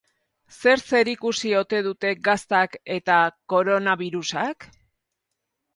Zer zerikusi ote dute gaztak eta koronabirusak?